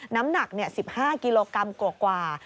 น้ำหนัก๑๕กิโลกรัมกว่า